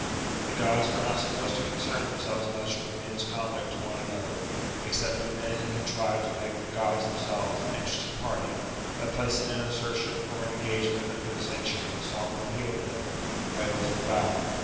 The Gods were not supposed to con cern themselves much with men's conduct to one another, except when men had contrived to make the Grods themselves an interested party, by placing an assertion or an engagement under the sanction of a solemn appeal to them, by oath or vow.